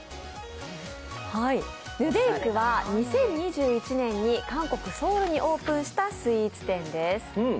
ＮＵＤＡＫＥは２０２１年に韓国ソウルにオープンしたスイーツ店です。